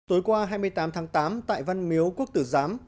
tối qua hai mươi tám tháng tám tại văn miếu quốc tử giám